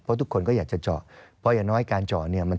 เพราะทุกคนก็อยากจะเจาะเพราะอย่างน้อยการเจาะเนี่ย